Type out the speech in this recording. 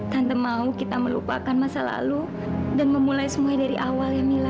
tanpa mau kita melupakan masa lalu dan memulai semuanya dari awal yang mila